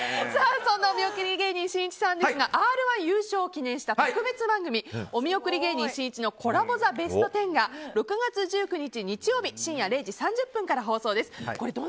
そんなお見送り芸人しんいちさんですが「Ｒ‐１」優勝を記念した特別番組「お見送り芸人しんいちのコラボ・ザ・ベストテン」が６月１９日、日曜日深夜０時３０分から放送です。